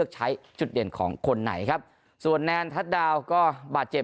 ใช้จุดเด่นของคนไหนครับส่วนแนนทัศน์ดาวก็บาดเจ็บ